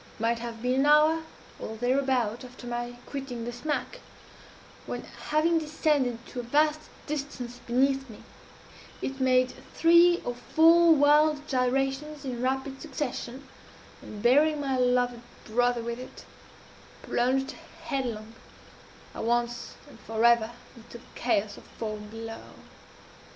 It might have been an hour, or thereabout, after my quitting the smack, when, having descended to a vast distance beneath me, it made three or four wild gyrations in rapid succession, and, bearing my loved brother with it, plunged headlong, at once and forever, into the chaos of foam below.